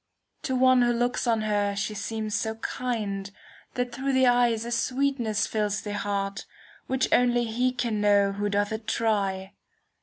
To one who looks on her she seems so kind. That through the eyes a sweetness fills the heart, i" Which only he can know who doth it try.